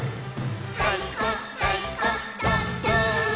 「たいこたいこどんどーん！